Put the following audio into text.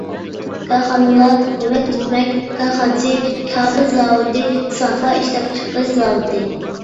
كارخانىلار يېمەك-ئىچمەك كارخانىسى، كابېل زاۋۇتى، سافا ئىشلەپچىقىرىش زاۋۇتى.